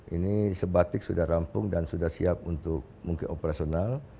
ini sebatik sudah rampung dan sudah siap untuk mungkin operasional